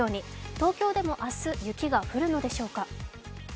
東京でも明日、雪が降るのでしょうか？